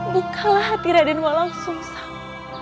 bukalah hati radenwa langsung